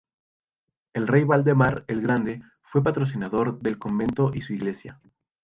El rey Valdemar el Grande fue patrocinador del convento y su iglesia.